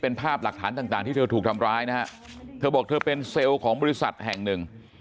เป็นภาพหลักฐานต่างที่เธอถูกทำร้ายนะฮะเธอบอกเธอเป็นเซลล์ของบริษัทแห่งหนึ่ง